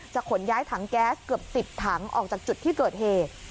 ขนย้ายถังแก๊สเกือบ๑๐ถังออกจากจุดที่เกิดเหตุ